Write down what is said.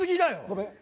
ごめん。